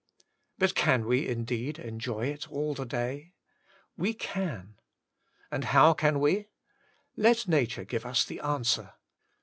But can we indeed onjoy it all the day? We can. And how caL we? Let nature give us the answer.